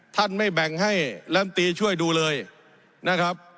ท่านไม่แบ่งให้ลำตีช่วยดูเลยนะครับ